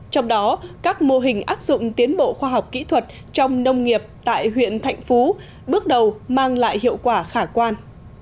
trong đó các mô hình áp dụng tiến bộ khoa học kỹ thuật trong nông nghiệp tại huyện thạnh phú bước đầu mang lại hiệu quả khả quan